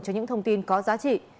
cho những thông tin có giá trị